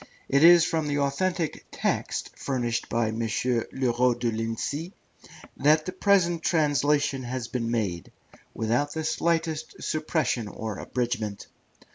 It is from the authentic text furnished by M. Le Roux de Lincy that the present translation has been made, without the slightest suppression or abridgment.